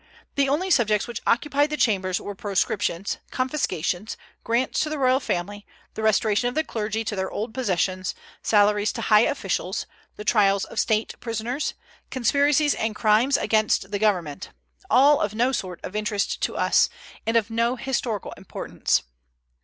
The only subjects which occupied the chambers were proscriptions, confiscations, grants to the royal family, the restoration of the clergy to their old possessions, salaries to high officials, the trials of State prisoners, conspiracies and crimes against the government, all of no sort of interest to us, and of no historical importance.